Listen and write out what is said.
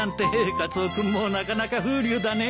カツオ君もなかなか風流だね。